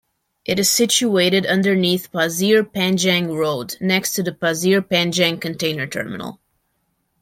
It is situated underneath Pasir Panjang Road, next to the Pasir Panjang container terminal.